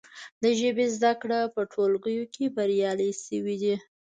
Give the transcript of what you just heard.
د ژبې زده کړې په ټولګیو کې بریالۍ شوي دي.